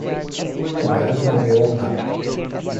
O gato comeu o rato.